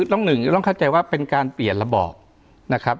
ต้องหนึ่งต้องเข้าใจว่าเป็นการเปลี่ยนระบอบนะครับ